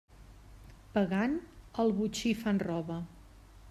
Pagant, al botxí fan roba.